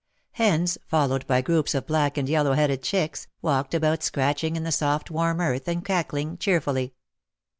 Hens, followed by groups of black and yellow headed chicks, walked about scratch ing in the soft warm earth and cackling cheerfully.